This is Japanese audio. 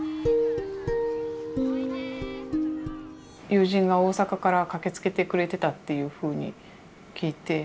友人が大阪から駆けつけてくれてたっていうふうに聞いて。